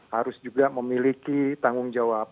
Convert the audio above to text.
harus juga memiliki tanggung jawab